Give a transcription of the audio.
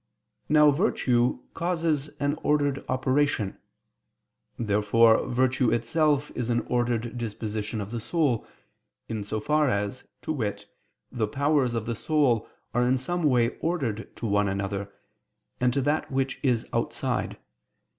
Now virtue causes an ordered operation. Therefore virtue itself is an ordered disposition of the soul, in so far as, to wit, the powers of the soul are in some way ordered to one another, and to that which is outside.